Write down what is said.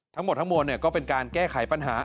ทั้งหมดทั้งมวลก็เป็นการแก้ไขปัญหา